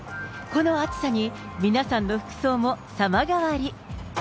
この暑さに、皆さんの服装も様変わり。